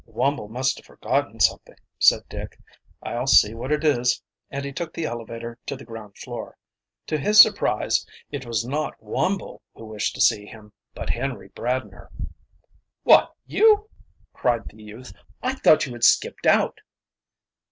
"Wumble must have forgotten something," said Dick. "I'll see what it is," and he took the elevator to the ground floor. To his surprise it was not Wumble who wished to see him, but Henry Bradner. "What, you!" cried the youth. "I thought you had skipped out."